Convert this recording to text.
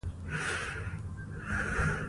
ځمکه د افغانستان په هره برخه کې موندل کېږي.